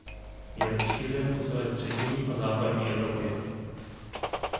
Je rozšířen po celé střední a západní Evropě.